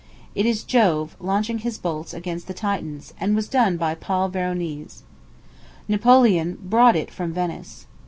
It is Jove launching his bolts against the Titans, and was done by Paul Veronese. Napoleon brought it from Venice.